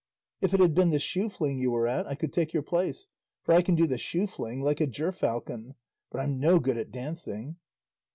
If it had been the shoe fling you were at I could take your place, for I can do the shoe fling like a gerfalcon; but I'm no good at dancing."